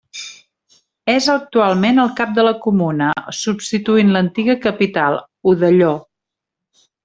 És actualment el cap de la comuna, substituint l'antiga capital, Odelló.